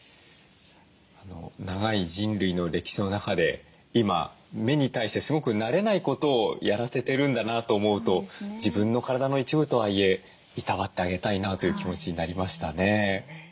長い人類の歴史の中で今目に対してすごく慣れないことをやらせてるんだなと思うと自分の体の一部とはいえいたわってあげたいなという気持ちになりましたね。